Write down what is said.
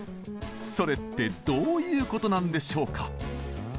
それってどういうことなんでしょうか？